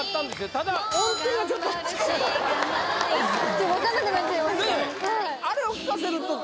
ただ分かんなくなっちゃいましたね